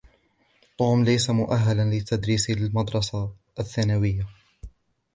توم ليس مؤهلاً لتدريس المدرسة الثانوية.